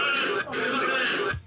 すいません！